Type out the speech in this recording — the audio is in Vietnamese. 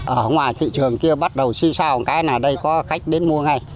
ở ngoài thị trường kia bắt đầu suy sao cái này ở đây có khách đến mua ngay